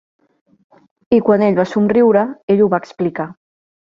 I quan ell va somriure ell ho va explicar.